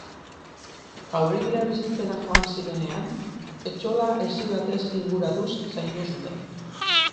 Jauregira bizitzera joan zirenean, etxola hesi batez inguratuz zaindu zuten.